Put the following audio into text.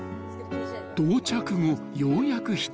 ［到着後ようやく一息］